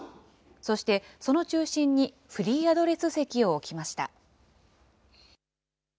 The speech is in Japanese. そして、その中心に、フリーアドレス席を置きました。